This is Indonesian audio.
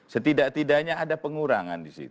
setidak tidaknya ada pengurangan di situ